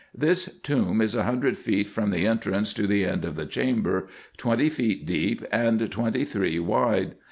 This tomb is a hundred feet from the entrance to the end of the chamber, twenty feet deep, and twenty three wide.